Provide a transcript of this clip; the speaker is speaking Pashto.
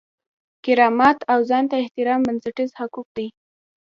کرامت او ځان ته احترام بنسټیز حقوق دي.